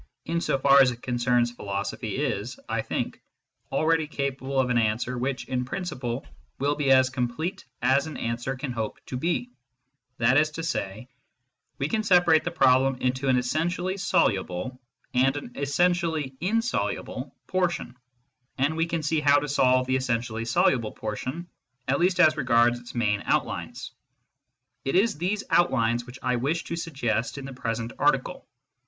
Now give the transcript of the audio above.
" in so far as it concerns philosophy, is, I think, already capable of an answer which in principle will be as complete as an answer can hope to be ; that is to say, we can separate the problem into an essentially soluble and an essentially insoluble portion, and we can now see how to solve the essentially soluble portion, at least as regards its main outlines. It is these outlines which I wish to suggest in the present article.